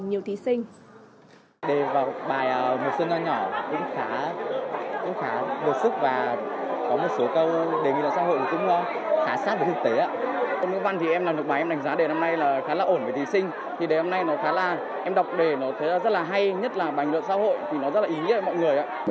nhất là bành luận xã hội thì nó rất là ý nghĩa với mọi người